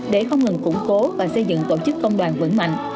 để không ngừng củng cố và xây dựng tổ chức công đoàn vững mạnh